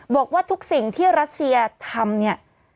บอกว่าทุกสิ่งที่รัสเซียทำเนี่ย